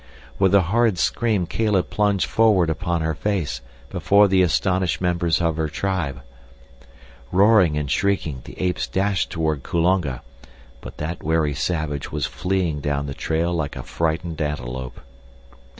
With a horrid scream Kala plunged forward upon her face before the astonished members of her tribe. Roaring and shrieking the apes dashed toward Kulonga, but that wary savage was fleeing down the trail like a frightened antelope.